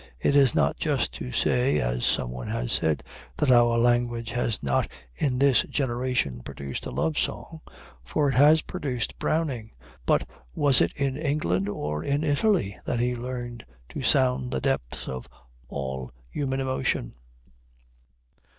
It is not just to say, as someone has said, that our language has not in this generation produced a love song, for it has produced Browning; but was it in England or in Italy that he learned to sound the depths of all human emotion?